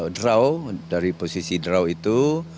draw dari posisi draw itu